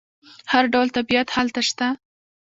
هر ډول طبیعت هلته شته.